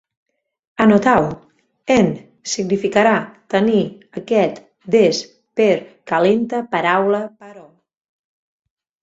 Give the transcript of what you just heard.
Anotau: en, significarà, tenir, aquest, des, per, calenta, paraula, però